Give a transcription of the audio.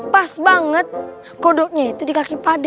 pas banget kodoknya itu di kaki pak d